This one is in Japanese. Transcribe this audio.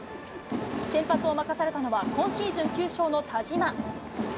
先発を任されたのは、今シーズン９勝の田嶋。